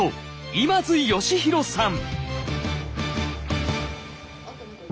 今津嘉宏さん。